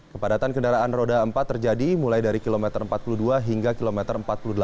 kepadatan kendaraan roda empat terjadi mulai dari kilometer empat puluh dua hingga kilometer empat puluh delapan